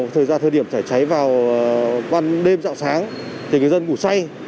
thời gian thời điểm chảy cháy vào đêm dạo sáng thì dân ngủ say